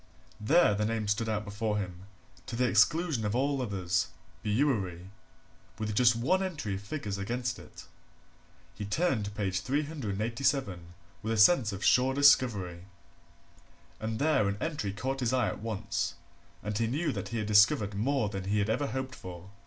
There the name stood out before him, to the exclusion of all others Bewery with just one entry of figures against it. He turned to page 387 with a sense of sure discovery. And there an entry caught his eye at once and he knew that he had discovered more than he had ever hoped for.